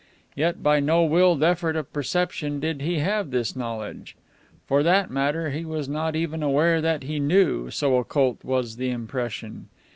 Yet by no willed effort of perception did he have this knowledge. For that matter, he was not even aware that he knew, so occult was the impression.